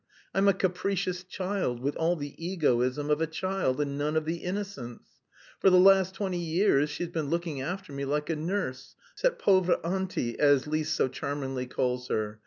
I'm a capricious child, with all the egoism of a child and none of the innocence. For the last twenty years she's been looking after me like a nurse, cette pauvre auntie, as Lise so charmingly calls her....